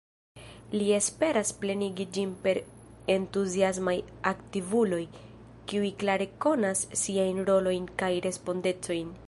Li esperas plenigi ĝin per entuziasmaj aktivuloj, kiuj klare konas siajn rolojn kaj respondecojn.